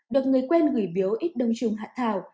được người quen gửi biếu ít đông trùng hạn thảo